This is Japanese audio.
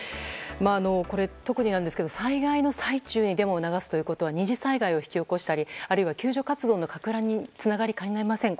特にですが災害の最中にデマを流すということは２次災害を引き起こしたりあるいは救助活動のかく乱につながりかねません。